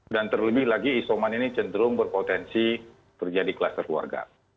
dan terlebih lagi isoman ini cenderung berpotensi terjadi kluster keluarga